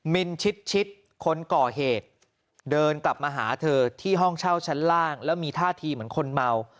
มินชิดชิดคนก่อเหตุเดินกลับมาหาเธอที่ห้องเช่าชั้นล่างแล้วมีท่าทีเหมือนคนเมา